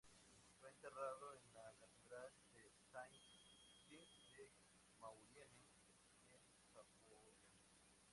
Fue enterrado en la catedral de Saint-Jean-de-Maurienne, en Saboya.